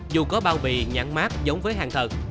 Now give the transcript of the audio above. dù có bao bì nhãn mát giống với hàng thật